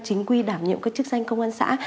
chính quy đảm nhiệm các chức danh công an xã